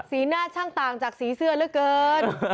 สีหน้าชั่งต่างจากสีเสื้อเลยเกิน